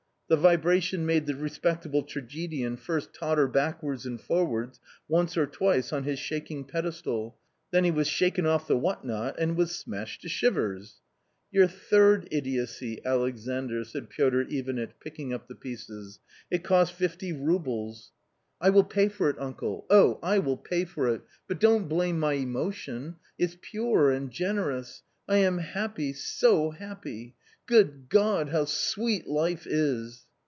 The vibrailttrT made the respectable tragedian . first totter backwards and forwards once or twice on his I shaking pedestal ; then he was shaken off the what not, and V was smashed to shivers. _^^ >r Your third idiocy, Alexandr!" said Piotr Ivanitch, picking up the pieces, " it cost fifty roubles." 70 A COMMON STORY " I will pay for it, uncle ! Oh 1 I will pay for it, but don't blame my emotion ; it's pure and generous ; I am happy, so happy ! Good God ! how sweet life is